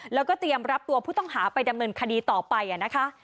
แล้วก็เตรียมรับตัวผู้ต้องหาไปดำเนินคดีต่อไปนะคะ